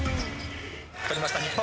とりました日本。